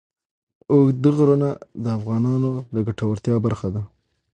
اوږده غرونه د افغانانو د ګټورتیا برخه ده.